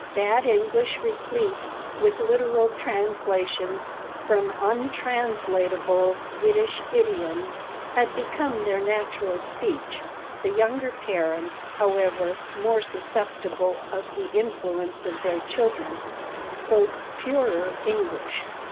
Bad English replete with literal translations from untranslatable Yiddish idioms had become their natural speech. The younger parents, however, more susceptible of the influence of their children, spoke purer English.